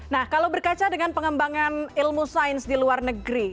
nah kalau berkaca dengan pengembangan ilmu sains di luar negeri